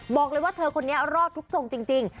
บอกเลยว่าเธอคนนี้รอดทุกทรงจริง